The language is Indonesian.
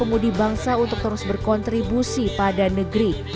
dan pemuda dan pemudi bangsa untuk terus berkontribusi pada negeri